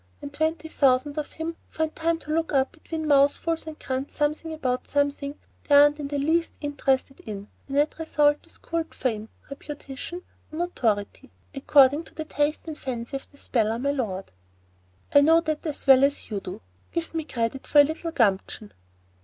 When twenty thousand of him find time to look up between mouthfuls and grunt something about something they aren't the least interested in, the net result is called fame, reputation, or notoriety, according to the taste and fancy of the speller my lord." "I know that as well as you do. Give me credit for a little gumption."